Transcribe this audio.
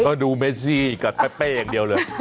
ก็ดูเมซี่กับแปเป้อย่างเดียวเลย